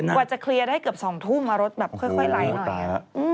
กว่าจะเคลียร์ได้เกือบ๒ทุ่มรถแบบค่อยไหลหน่อย